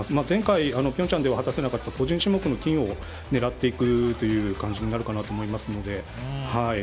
前回、平昌では果たせなかった個人種目の金を狙っていく感じになるかなと思いますので。